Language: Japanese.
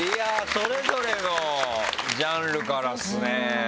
それぞれのジャンルからっすね。